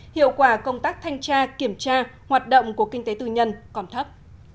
hiệu quả công tác thanh tra kiểm tra hoạt động của kinh tế tư nhân còn thấp